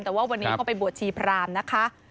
แต่ว่าวันนี้เขาไปบวชชีพรามนะคะ